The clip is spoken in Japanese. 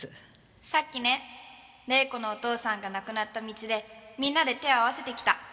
「さっきね怜子のお父さんが亡くなった道でみんなで手を合わせて来た」